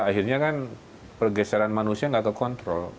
akhirnya kan pergeseran manusia tidak terlalu baik ya ya